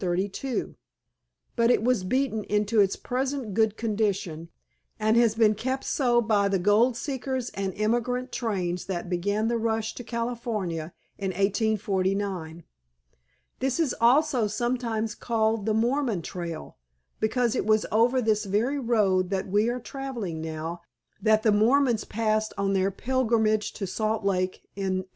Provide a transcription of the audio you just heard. But it was beaten into its present good condition and has been kept so by the gold seekers and emigrant trains that began the rush to California in 1849. This is also sometimes called the 'Mormon Trail,' because it was over this very road that we are traveling now that the Mormons passed on their pilgrimage to Salt Lake in 1847.